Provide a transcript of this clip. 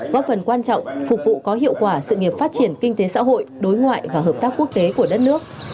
góp phần quan trọng phục vụ có hiệu quả sự nghiệp phát triển kinh tế xã hội đối ngoại và hợp tác quốc tế của đất nước